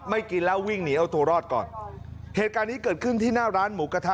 กินแล้ววิ่งหนีเอาตัวรอดก่อนเหตุการณ์นี้เกิดขึ้นที่หน้าร้านหมูกระทะ